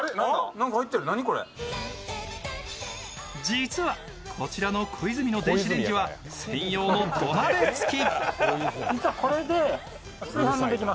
実は、こちらのコイズミの電子レンジは専用の土鍋付き。